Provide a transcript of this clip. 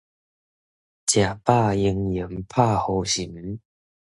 食飽閒閒拍胡蠅